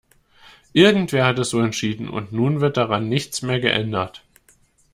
Irgendwer hat es so entschieden, und nun wird daran nichts mehr geändert.